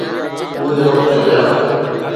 اهي روڪي ويا.